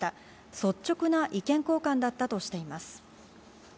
率直な意見交換だったとしています。